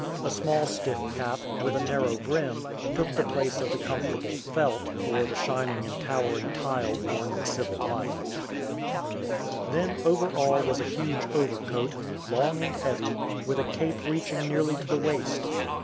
A small stiff cap, with a narrow brim, took the place of the comfortable "felt," or the shining and towering tile worn in civil life. [Illustration: THE OUTFIT OF 1861.] Then over all was a huge overcoat, long and heavy, with a cape reaching nearly to the waist.